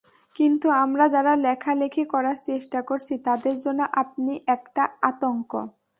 কিন্তু আমরা যারা লেখালেখি করার চেষ্টা করছি, তাদের জন্য আপনি একটা আতঙ্ক।